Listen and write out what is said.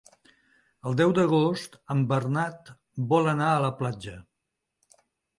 El deu d'agost en Bernat vol anar a la platja.